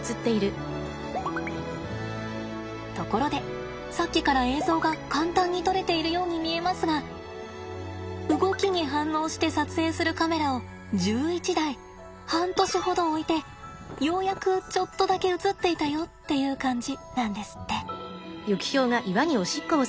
ところでさっきから映像が簡単に撮れているように見えますが動きに反応して撮影するカメラを１１台半年ほど置いてようやくちょっとだけ映っていたよっていう感じなんですって。